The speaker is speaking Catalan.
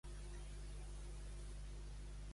A l'hort i al porc, una mà sola.